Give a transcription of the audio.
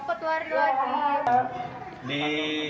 terperosok di sini